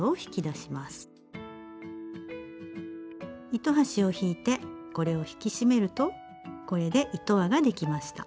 糸端を引いてこれを引き締めるとこれで糸輪ができました。